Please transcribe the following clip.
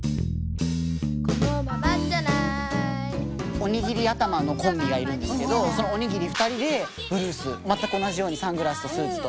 おにぎり頭のコンビがいるんですけどそのおにぎり２人でブルース全く同じようにサングラスとスーツと。